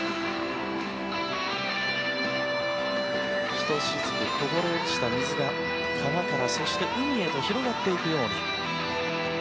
一滴こぼれ落ちた水が川から、そして海へと広がっていくように。